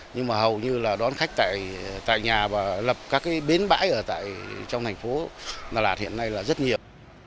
nhưng mà hầu như là đón khách tại nhà và lập các bến bãi ở trong thành phố đà lạt hiện nay là rất nhiều